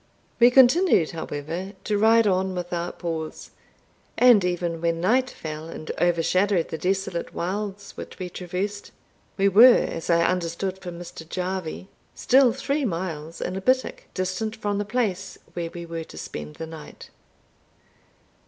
We continued, however, to ride on without pause and even when night fell and overshadowed the desolate wilds which we traversed, we were, as I understood from Mr. Jarvie, still three miles and a bittock distant from the place where we were to spend the night.